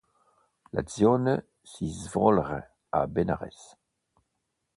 L'azione si svolge a Benares.